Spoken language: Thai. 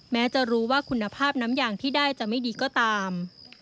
แม้จะรู้ว่าคุณภาพน้ำยางที่ได้จะไม่ดีก็ตาม